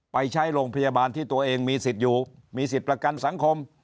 ไปใช้โรงพยาบาลที่ตัวเองมีสิทธิ์อยู่มีสิทธิ์ประกันสังคม